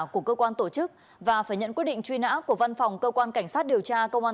của cơ quan tổ chức và phải nhận quyết định truy nã của văn phòng cơ quan cảnh sát điều tra công an